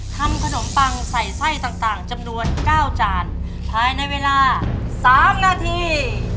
ทำขนมปังใส่ไส้ต่างจำนวน๙จานภายในเวลา๓นาที